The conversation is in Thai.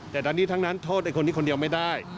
แต่ตอนนี้ทั้งนั้นโทษไอ้คนนี้คนเดียวไม่ได้